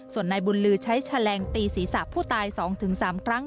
ส่วนนายบุญลือใช้แฉลงตีศีรษะผู้ตาย๒๓ครั้ง